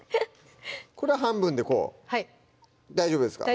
これは半分でこう大丈夫ですか？